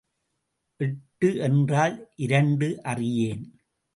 எட்டு என்றால் இரண்டு அறியேன்.